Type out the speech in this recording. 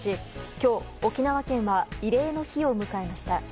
今日、沖縄県は慰霊の日を迎えました。